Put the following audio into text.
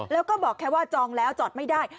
แล้วก็บอกแค่ว่าจองแล้วจอดไม่ได้